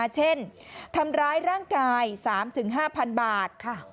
เช่นทำร้ายร่างกาย๓๕๐๐๐บาท